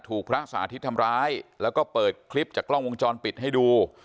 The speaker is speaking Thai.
ถูกพระสาธิตทำร้ายแล้วก็เปิดคลิปจากกล้องวงจรปิดให้ดู